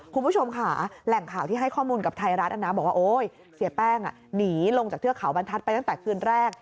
คุณผู้ชมค่ะแหล่งข่าวที่ให้ข้อมูลกับไทยรัฐนะบอกว่าโอ๊ยเสียแป้งหนีลงจากเทือกเขาบรรทัศน์ไปตั้งแต่คืนแรก